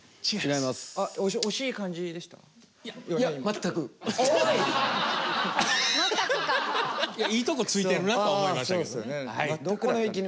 いやいいとこついてるなとは思いましたけどね。